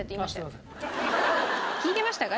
聞いてましたか？